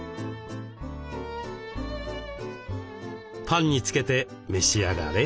パンにつけて召し上がれ。